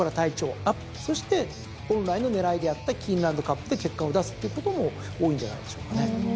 そして本来の狙いであったキーンランドカップで結果を出すっていうことも多いんじゃないでしょうかね。